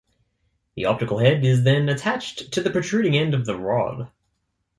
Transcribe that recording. The optical head is then attached to the protruding end of the rod.